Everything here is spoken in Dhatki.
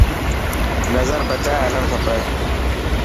نظر بچائي هلڙڻ کپي.